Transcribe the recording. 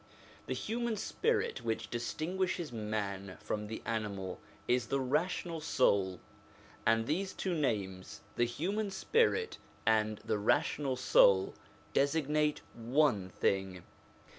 The human spirit which distinguishes man from the animal is the rational soul; and these two names the human spirit and the rational soul designate one thing.